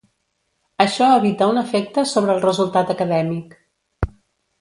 Això evita un efecte sobre el resultat acadèmic.